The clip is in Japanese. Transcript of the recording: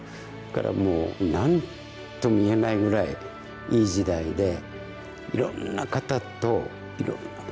だからもうなんとも言えないぐらいいい時代でいろんな方といろんな。